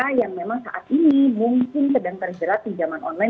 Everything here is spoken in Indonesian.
mungkin sedang terjerat pinjaman online